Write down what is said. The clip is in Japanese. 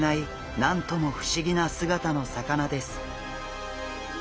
なんとも不思議な姿の魚です。